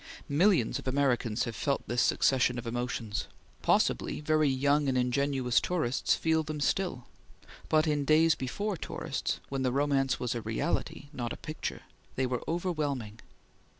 Millions of Americans have felt this succession of emotions. Possibly very young and ingenuous tourists feel them still, but in days before tourists, when the romance was a reality, not a picture, they were overwhelming.